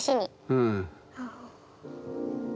うん。